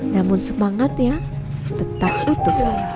namun semangatnya tetap utuh